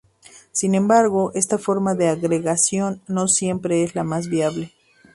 Sin embargo esta forma de agregación no siempre es la más viable.